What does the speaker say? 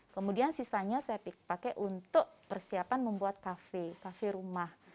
kemudian sisanya saya pakai untuk persiapan membuat kafe kafe rumah